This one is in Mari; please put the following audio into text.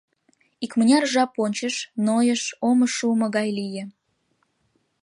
Икмыняр жап ончыш, нойыш, омо шумо гай лие.